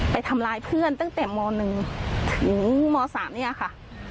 ไปทำลายเพื่อนตั้งแต่๑จนถึง๓ถึงนี้ค่ะ